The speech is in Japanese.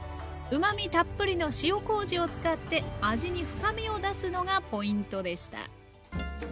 うまみたっぷりの塩こうじを使って味に深みを出すのがポイントでした。